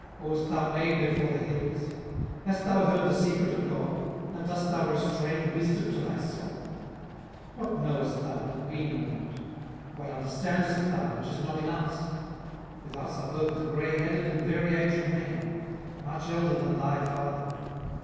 or wast thou made before the hills? 18:015:008 Hast thou heard the secret of God? and dost thou restrain wisdom to thyself? 18:015:009 What knowest thou, that we know not? what understandest thou, which is not in us? 18:015:010 With us are both the grayheaded and very aged men, much elder than thy father.